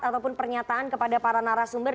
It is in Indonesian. ataupun pernyataan kepada para narasumber